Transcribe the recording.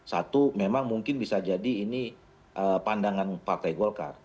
satu memang mungkin bisa jadi ini pandangan partai golkar